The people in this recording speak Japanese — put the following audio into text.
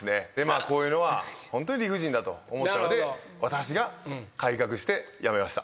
こういうのはホントに理不尽だと思ったので私が改革してやめました。